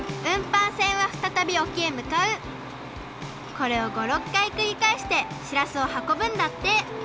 これを５６かいくりかえしてしらすをはこぶんだって！